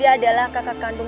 hai guru kukai jabat